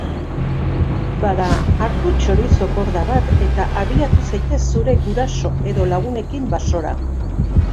Bada, hartu txorizo-korda bat eta abiatu zaitez zure guraso edo lagunekin basora!